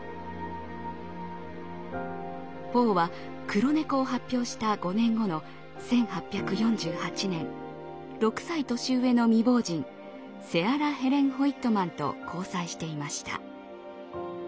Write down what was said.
ポーは「黒猫」を発表した５年後の１８４８年６歳年上の未亡人セアラ・ヘレン・ホイットマンと交際していました。